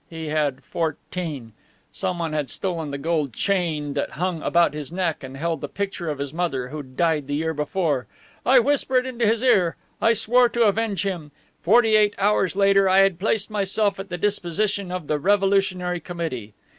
He had fourteen. Someone had stolen the gold chain that had hung about his neck and held the picture of his mother, who died the year before. I whispered into his ear, I swore to avenge him. Forty eight hours later I had placed myself at the disposition of the Revolutionary Committee.